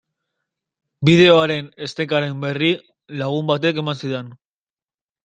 Bideoaren estekaren berri lagun batek eman zidan.